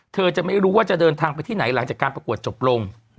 เธอจะไม่รู้ว่าจะเดินทางไปที่ไหนหลังจากการประกวดจบลง